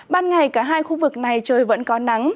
ban ngày cả hai khu vực này trời vẫn có nắng